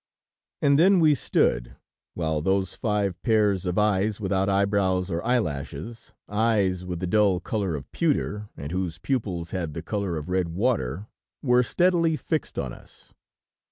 And then we stood, while those five pairs of eyes, without eyebrows or eyelashes, eyes with the dull color of pewter, and whose pupils had the color of red water, were steadily fixed on us.